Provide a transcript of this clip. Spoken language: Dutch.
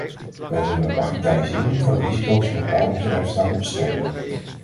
Wij willen bagatellisering van risico's in bepaalde bedrijfstakken bestrijden.